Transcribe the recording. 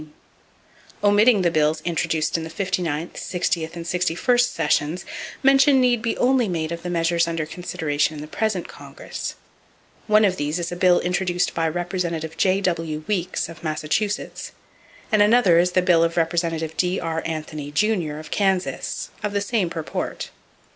Omitting the bills introduced in the 59th, 60th and 61st sessions, mention need be made only of the measures under consideration in the present Congress. One of these is a bill introduced by Representative J.W. Weeks, of Massachusetts, and another is the bill of Representative D.R. Anthony, Jr., of Kansas, of the same purport.